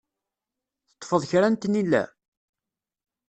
Teṭṭfeḍ kra n tnila?